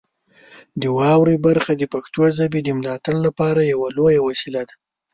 د واورئ برخه د پښتو ژبې د ملاتړ لپاره یوه لویه وسیله ده.